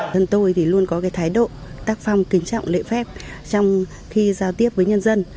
thân tôi thì luôn có cái thái độ tác phong kính trọng lễ phép trong khi giao tiếp với nhân dân